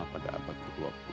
pada abad ke dua puluh